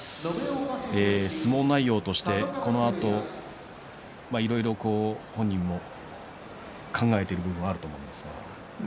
相撲内容として、このあといろいろ本人も考えている部分もあると思うんですが。